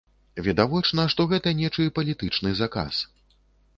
Відавочна, што гэта нечы палітычны заказ.